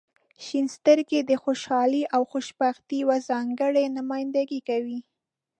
• شنې سترګې د خوشحالۍ او خوشبختۍ یوه ځانګړې نمایندګي کوي.